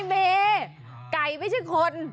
เมย์ไก่ไม่ใช่คน